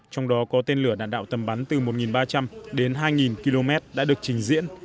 trong đó có tên lửa đạn đạo tầm bắn từ một ba trăm linh đến hai km đã được trình diễn